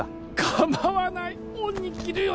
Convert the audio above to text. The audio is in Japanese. かまわない恩に着るよ